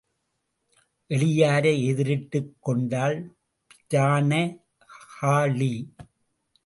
எளியாரை எதிரிட்டுக் கொண்டால் பிரான ஹாளி.